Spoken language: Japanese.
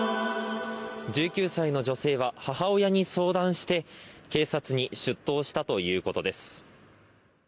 １９歳の女性は母親に相談して警察に出頭したということです。